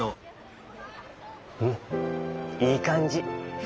うんいいかんじ。